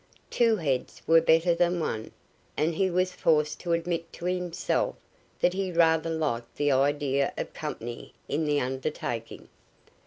Two heads were better than one, and he was forced to admit to himself that he rather liked the idea of company in the undertaking.